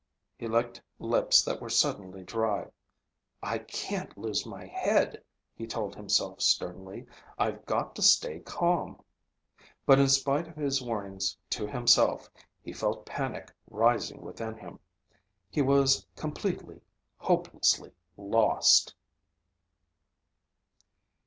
He licked lips that were suddenly dry. "I can't lose my head," he told himself sternly. "I've got to stay calm." But in spite of his warnings to himself, he felt panic rising within him. He was completely, hopelessly lost!